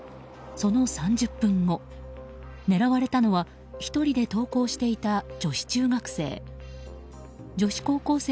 その３０分後、狙われたのは１人で登校していた女子中学生。